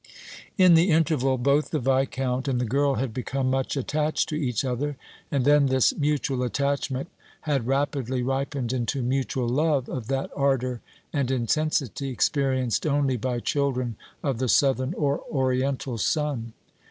In the interval both the Viscount and the girl had become much attached to each other, and then this mutual attachment had rapidly ripened into mutual love of that ardor and intensity experienced only by children of the southern or oriental sun.